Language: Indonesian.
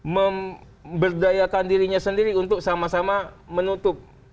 memberdayakan dirinya sendiri untuk sama sama menutup